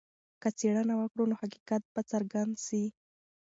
که څېړنه وکړو نو حقیقت به څرګند سي.